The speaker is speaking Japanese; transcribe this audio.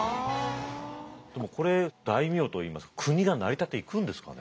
でもこれ大名といいますか国が成り立っていくんですかね。